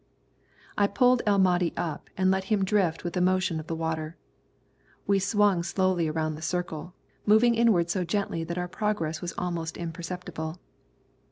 I pulled El Mahdi up and let him drift with the motion of the water. We swung slowly around the circle, moving inward so gently that our progress was almost imperceptible.